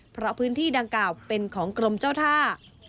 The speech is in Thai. เพราะพื้นที่ดังกล่าวเป็นของกรมเจ้าท่า